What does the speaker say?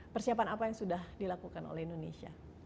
persiapan apa yang sudah dilakukan oleh indonesia